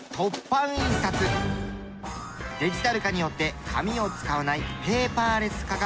デジタル化によって紙を使わないペーパーレス化が広がる